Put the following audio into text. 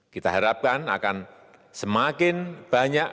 kita harapkan akan semakin banyak